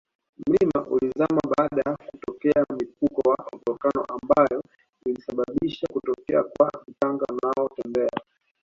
mlima ulizama baada ya kutokea mlipuko wa volcano ambayo ilisabisha kutokea kwa mchanga unaotembea